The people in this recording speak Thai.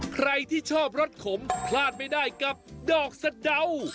ใครที่ชอบรสขมพลาดไม่ได้กับดอกสะเดา